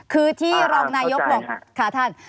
คือที่รองนายกบอกค่ะท่าน